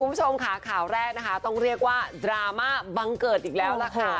คุณผู้ชมค่ะข่าวแรกนะคะต้องเรียกว่าดราม่าบังเกิดอีกแล้วล่ะค่ะ